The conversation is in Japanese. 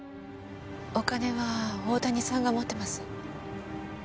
お金は大谷さんが持ってます。